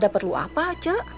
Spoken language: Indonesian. perlu apa aja